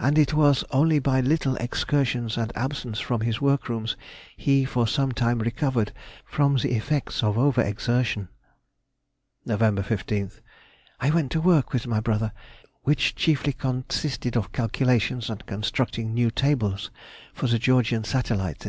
And it was only by little excursions and absence from his workrooms, he for some time recovered from the effects of over exertion. Nov. 15th.—I went to work with my brother, which chiefly consisted of calculations and constructing new tables for the Georgian satellites, &c.